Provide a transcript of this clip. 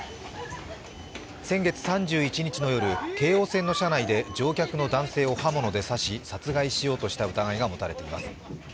先月３１日の夜、京王線の車内で乗客の男性を刃物で刺し、殺害しようとした疑いが持たれています。